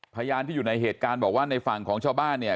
พยานที่อยู่ในเหตุการณ์บอกว่าในฝั่งของชาวบ้านเนี่ย